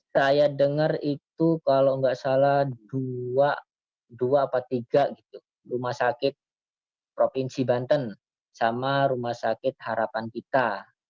saya dengar itu kalau nggak salah dua atau tiga gitu rumah sakit provinsi banten sama rumah sakit harapan kita